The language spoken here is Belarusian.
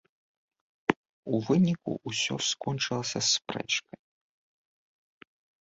У выніку ўсё скончылася спрэчкай.